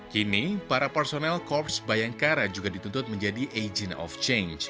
kini para personel korps bayangkara juga dituntut menjadi agent of change